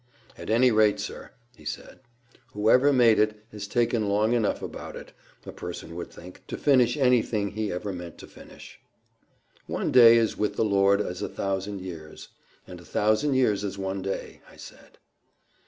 "At any rate, sir," he said, "whoever made it has taken long enough about it, a person would think, to finish anything he ever meant to finish." "One day is with the Lord as a thousand years, and a thousand years as one day," I said.